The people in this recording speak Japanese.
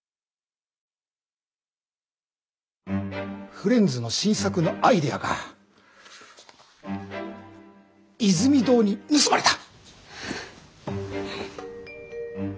フレンズの新作のアイデアがイズミ堂に盗まれた。